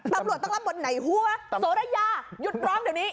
ตำรวจต้องรับบทไหนหัวโสระยาหยุดร้องเดี๋ยวนี้